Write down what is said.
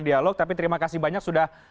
dialog tapi terima kasih banyak sudah